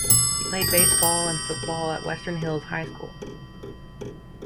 He played baseball and football at Western Hills High School.